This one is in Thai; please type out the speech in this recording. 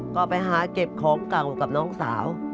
ก็ไปหาเก็บของเก่ากับน้องสาว